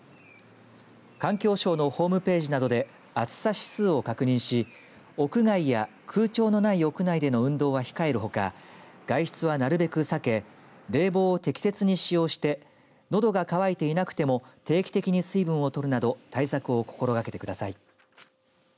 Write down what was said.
環境省のホームページなどで暑さ指数を確認し屋外や空調のない屋内での運動は控えるほか外出はなるべく避け冷房を適切に使用してのどが渇いていなくても定期的に水分を取るなど対策を心がけてください。